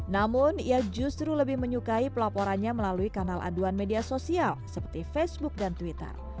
namun ia justru lebih menyukai pelaporannya melalui kanal aduan media sosial seperti facebook dan twitter